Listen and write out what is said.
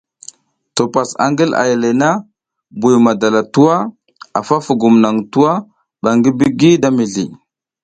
To pasa ngil ay le na, Buy madala twa a fa fugum naŋ twa ɓa ngi buga da mizli.